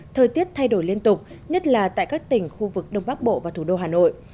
thời tiết thay đổi liên tục nhất là tại các tỉnh khu vực đông bắc bộ và thủ đô hà nội